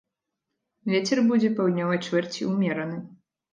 Вецер будзе паўднёвай чвэрці ўмераны.